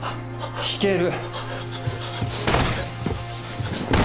弾ける！